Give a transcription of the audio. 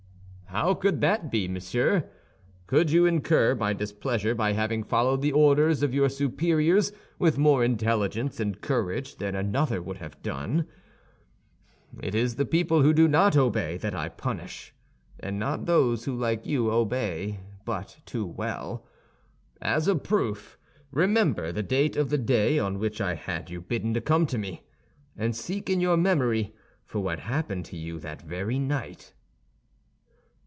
"How could that be, monsieur? Could you incur my displeasure by having followed the orders of your superiors with more intelligence and courage than another would have done? It is the people who do not obey that I punish, and not those who, like you, obey—but too well. As a proof, remember the date of the day on which I had you bidden to come to me, and seek in your memory for what happened to you that very night."